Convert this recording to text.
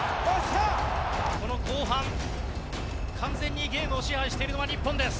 この後半完全にゲームを支配しているのは日本です。